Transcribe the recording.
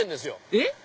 えっ？